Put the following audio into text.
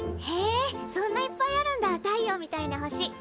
へえそんないっぱいあるんだ太陽みたいな星。